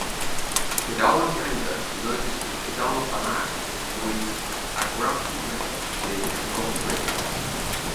Kedar Ganga emerges from Kedar bamak and joins Bhagirathi River near Gangotri.